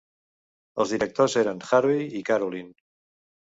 Els directors eren Harvey i Carolyn.